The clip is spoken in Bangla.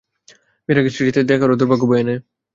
বিয়ের আগে স্ত্রীর সাথে দেখা করা দূর্ভাগ্য বয়ে আনে।